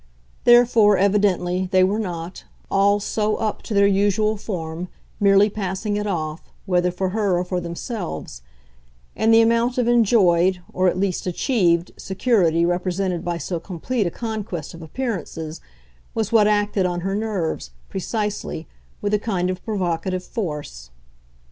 Therefore, evidently, they were not, all so up to their usual form, merely passing it off, whether for her or for themselves; and the amount of enjoyed, or at least achieved, security represented by so complete a conquest of appearances was what acted on her nerves, precisely, with a kind of provocative force.